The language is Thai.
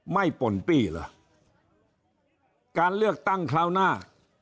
ป่นปี้เหรอการเลือกตั้งคราวหน้า